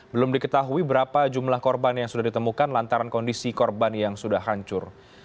belum diketahui berapa jumlah korban yang sudah ditemukan lantaran kondisi korban yang sudah hancur